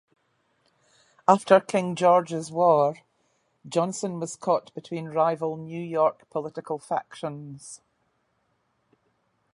After King George's War, Johnson was caught between rival New York political factions.